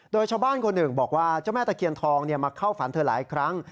โดยชาวบ้านคนหนึ่งบอกว่าเจ้าแม่ตะเคียนทองมาเข้าฝันเธอหลายครั้ง